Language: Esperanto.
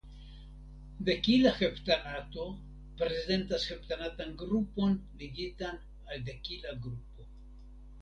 Dekila heptanato prezentas heptanatan grupon ligitan al dekila grupo.